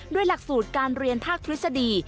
ด้วยหลักสูตรการเรียนภาคทฤษฎี